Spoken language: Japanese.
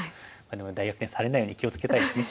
でも大逆転されないように気を付けたいですね。